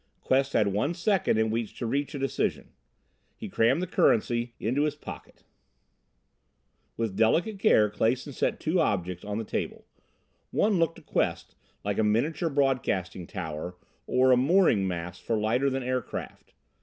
Quest had one second in which to reach a decision.... He crammed the currency into his pocket. With delicate care Clason set two objects on the table. One looked to Quest like a miniature broadcasting tower or a mooring mast for lighter than air craft.